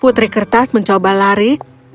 putri kertas mencoba lari